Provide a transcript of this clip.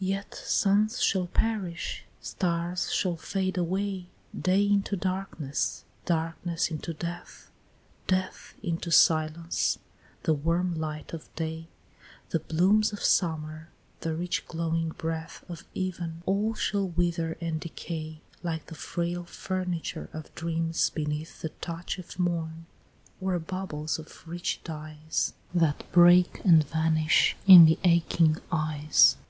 "Yet suns shall perish stars shall fade away Day into darkness darkness into death Death into silence; the warm light of day, The blooms of summer, the rich glowing breath Of even all shall wither and decay, Like the frail furniture of dreams beneath The touch of morn or bubbles of rich dyes That break and vanish in the aching eyes."